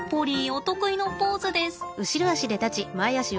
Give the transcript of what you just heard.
お得意のポーズです。